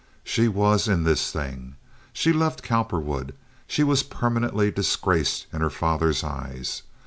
She was in this thing. She loved Cowperwood; she was permanently disgraced in her father's eyes.